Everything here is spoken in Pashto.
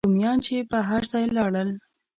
رومیان چې به هر ځای لاړل.